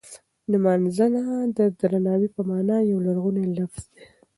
نمځنه د درناوی په مانا یو لرغونی لفظ دی.